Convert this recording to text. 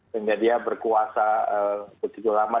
sehingga dia berkuasa begitu lama